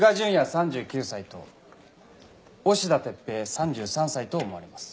３９歳と押田徹平３３歳と思われます。